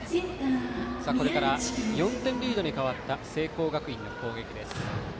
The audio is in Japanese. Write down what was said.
これから４点リードに変わった聖光学院の攻撃です。